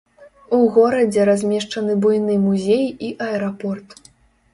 У горадзе размешчаны буйны музей і аэрапорт.